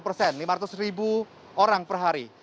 lima ratus ribu orang per hari